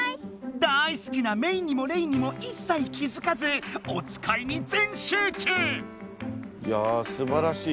だいすきなメイにもレイにもいっさい気づかずおつかいに全集中！